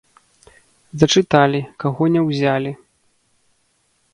Зачыталі, каго не ўзялі.